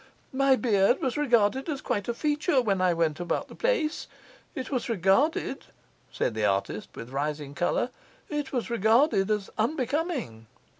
My beard was regarded as quite a feature when I went about the place. It was regarded,' said the artist, with rising colour, 'it was regarded as unbecoming.